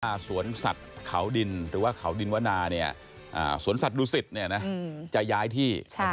ถ้าสวนสัตว์เขาดินหรือว่าเขาดินวณาสวนสัตว์ดุสิตจะย้ายที่